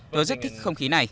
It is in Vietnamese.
tôi rất thích không khí